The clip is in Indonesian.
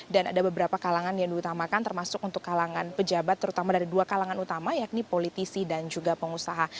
dan ada beberapa kalangan yang diutamakan termasuk untuk kalangan pejabat terutama dari dua kalangan utama yakni politisi dan juga pengusaha